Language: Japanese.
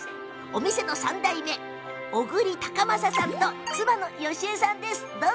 店の３代目店長、小栗孝昌さんと妻の由江さんです。